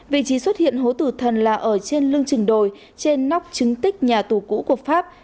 vị trí xuất hiện hố tử thần là ở trên lưng trình đồi trên nóc chứng tích nhà tù cũ của pháp